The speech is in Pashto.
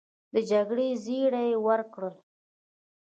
د جګړې زړي یې وکرل